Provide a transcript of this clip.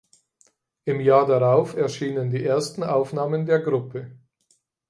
Im Jahr darauf erschienen die ersten Aufnahmen der Gruppe.